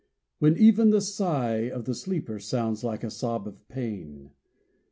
When even the sigh of the sleeper Sounds like a sob of pain.